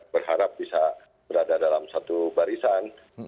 berharap bisa berada dalam satu barisan